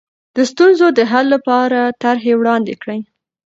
د ستونزو د حل لپاره طرحې وړاندې کړئ.